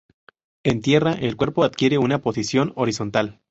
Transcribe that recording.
En tierra el cuerpo adquiere una posición horizontal.